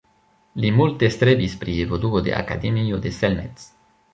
Li multe strebis pri evoluo de Akademio de Selmec.